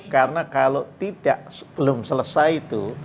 karena kalau belum selesai itu